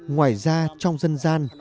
ngoài ra trong dân gian